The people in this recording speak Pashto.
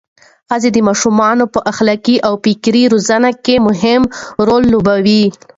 ښځې د ماشومانو په اخلاقي او فکري روزنه کې مهم رول لوبوي.